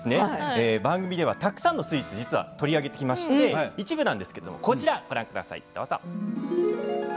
これまで番組ではたくさんのスイーツを取り上げてきまして一部なんですがこちらご覧ください。